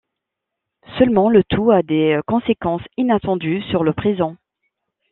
Seulement le tout a des conséquences inattendues sur le présent...